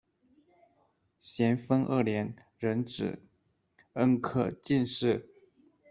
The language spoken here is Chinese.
咸丰二年壬子恩科进士。